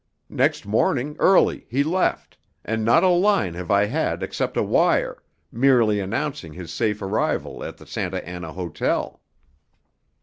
Next morning early he left, and not a line have I had except a wire, merely announcing his safe arrival at the Santa Anna Hotel."